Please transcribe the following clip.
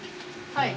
はい。